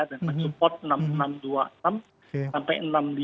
dengan support enam enam ratus dua puluh enam sampai enam lima ratus sembilan puluh delapan